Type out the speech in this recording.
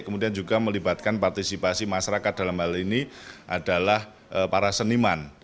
kemudian juga melibatkan partisipasi masyarakat dalam hal ini adalah para seniman